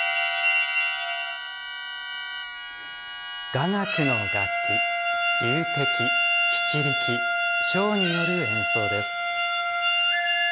雅楽の楽器龍笛篳篥笙による演奏です。